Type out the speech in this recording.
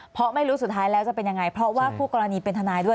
เพราะไม่รู้สุดท้ายแล้วจะเป็นยังไงเพราะว่าคู่กรณีเป็นทนายด้วย